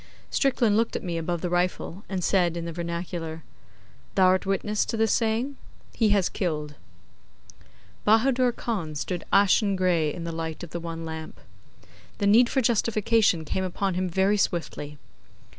Strickland looked at me above the rifle, and said, in the vernacular, 'Thou art witness to this saying? He has killed.' Bahadur Khan stood ashen gray in the light of the one lamp. The need for justification came upon him very swiftly.